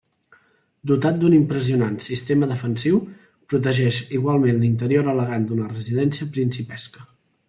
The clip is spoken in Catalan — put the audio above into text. Dotat d'un impressionant sistema defensiu, protegeix igualment l'interior elegant d'una residència principesca.